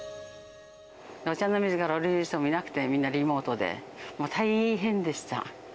御茶ノ水から降りる人もいなくて、みんなリモートで、もう大変でした。